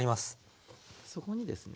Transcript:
そこにですね